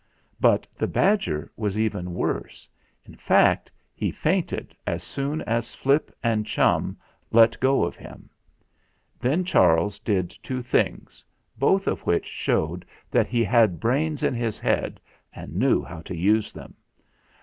But the badger was even worse; in fact, he fainted as soon as Flip and Chum let go of him. Then Charles did two things, both of which showed that he had brains in his head and knew how to use them.